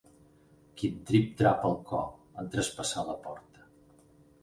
Quin trip-trap al cor en traspassar la porta!